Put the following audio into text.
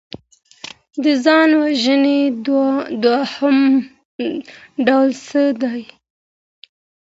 د ځان وژني دوهم ډول څه دی؟